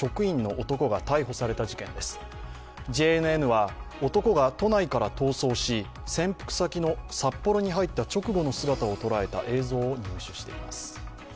ＪＮＮは男が都内から逃走し、潜伏先の札幌に入った直後の姿をを捉えた映像を入手しています。